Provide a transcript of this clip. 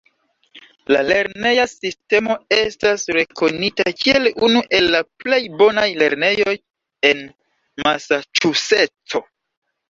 La lerneja sistemo estas rekonita kiel unu el la plej bonaj lernejoj en Masaĉuseco.